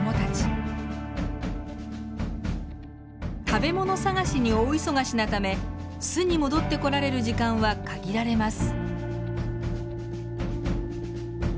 食べ物探しに大忙しなため巣に戻ってこられる時間は限られます。